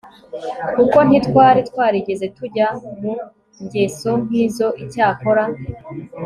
kuko ntitwari twarigeze tujya mu ngeso nkizo icyakora